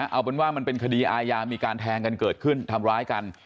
เอาเป็นว่ามันเป็นคดีอาญามีการแทงกันเกิดขึ้นทำร้ายกัน